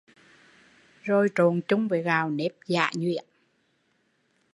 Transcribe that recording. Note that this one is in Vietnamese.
rồi trộn chung với gạo nếp giã nhuyễn